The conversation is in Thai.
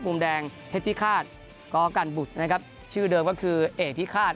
มุมแดงเพชรพิฆาตกกันบุตรนะครับชื่อเดิมก็คือเอกพิฆาต